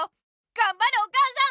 がんばれお母さん！